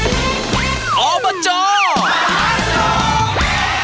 หนึ่งหนึ่งหนึ่ง